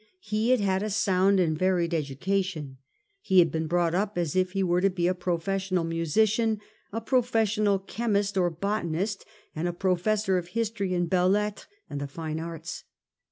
He had had a sound and a varied education. He had been brought up as if he were to be a professional musician, a professional chemist or botanist, and a professor of history and belles lettres and the fine arts.